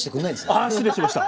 ああ失礼しました。